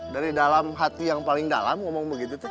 dari dalam hati yang paling dalam ngomong begitu tuh